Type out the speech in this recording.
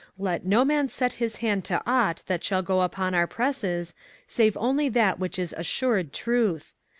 Let no man set his hand to aught that shall go upon our presses save only that which is assured truth.